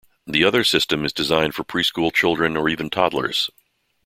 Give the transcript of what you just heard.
The other system is designed for preschool children or even toddlers.